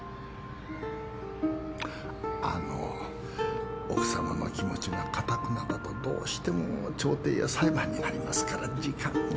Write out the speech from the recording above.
あの奥さまの気持ちがかたくなだとどうしても調停や裁判になりますから時間がかかるんですな。